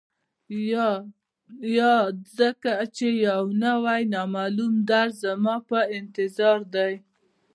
یا ځکه چي یو نوی، نامعلوم درد زما په انتظار دی